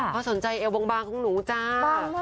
เพราะสนใจเอวบางของหนูจ้า